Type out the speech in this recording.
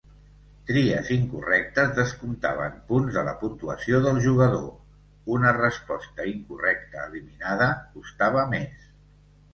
Tries incorrectes descomptaven punts de la puntuació del jugador; una resposta incorrecta eliminada costava més.